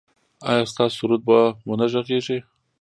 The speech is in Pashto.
ایا ستاسو سرود به و نه غږیږي؟